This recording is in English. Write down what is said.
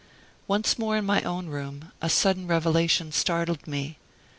Once more in my own room a sudden revelation startled me.